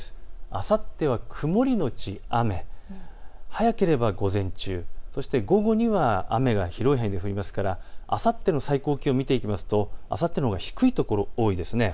あさっては曇りのち雨、早ければ午前中、そして午後には雨が広い範囲で降りますからあさっての最高気温を見ていきますとあさってのほうが低いところが多いですね。